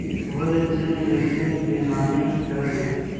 ولې ځینې لیکنې بې معنی ښکاري؟